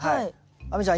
亜美ちゃん